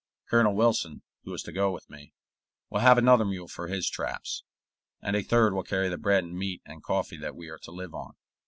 Colonel Wilson, who is to go with me, will have another mule for his traps, and a third will carry the bread and meat and coffee that we are to live on.